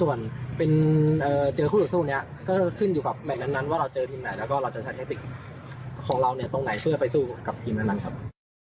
ส่วนเจอคู่ต่อสู้นี้ก็ขึ้นอยู่กับแมทนั้นว่าเราเจอทีมไหนแล้วก็เราจะใช้เทคติกของเราเนี่ยตรงไหนเพื่อไปสู้กับทีมนั้นครับ